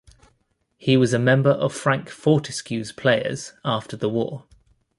He was a member of Frank Fortesque's Players after the war.